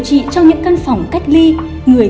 từ lo lắng băn khoăn hoảng đoạn